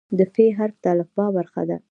د "ف" حرف د الفبا برخه ده.